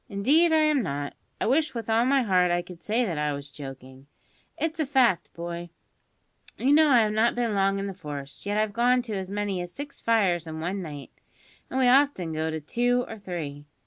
"Indeed I am not. I wish with all my heart I could say that I was joking. It's a fact, boy. You know I have not been long in the force, yet I've gone to as many as six fires in one night, and we often go to two or three.